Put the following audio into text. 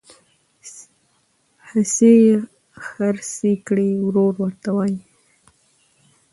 حصي خرڅي کړي ورور ورته وایي